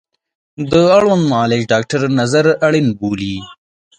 د اړوند معالج ډاکتر نظر اړین بولي